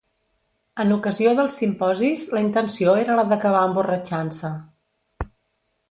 En ocasió dels simposis la intenció era la d’acabar emborratxant-se.